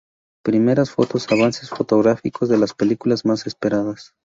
Primeras Fotos: avances fotográficos de las películas más esperadas.